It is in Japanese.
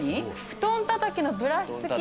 布団たたきのブラシ付き。